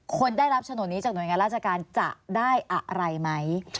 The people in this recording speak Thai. คนได้รับโฉนดนี้จากหน่วยงานราชการจะได้อะไรไหม